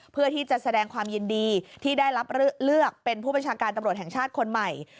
เพื่อที่จะแสดงความยินดีที่ได้รับเลือกเป็นผู้บัญชาการตำรวจแห่งชาติคนใหม่